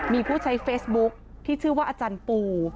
มีผู้ใช้เฟซบุ๊คที่ชื่อว่าอาจารย์ปู